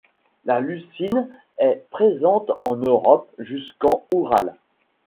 La Lucine est présente en Europe jusqu'en Oural.